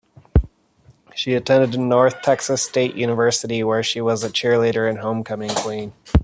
She attended North Texas State University where she was a cheerleader and Homecoming Queen.